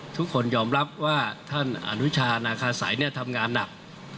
ทุกคนยอมรับว่าท่านอนุชานาคาสัยทำงานหนัก